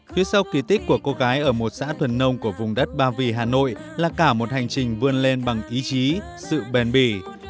phía sau kỳ tích của cô gái ở một xã thuần nông của vùng đất ba vì hà nội là cả một hành trình vươn lên bằng ý chí sự bền bỉ